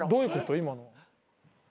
今の。